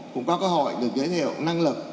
cũng có cơ hội được giới thiệu năng lực